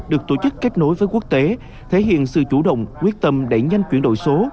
được tổ chức kết nối với quốc tế thể hiện sự chủ động quyết tâm đẩy nhanh chuyển đổi số